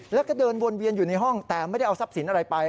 แล้วก็เดินวนเวียนอยู่ในห้องแต่ไม่ได้เอาทรัพย์สินอะไรไป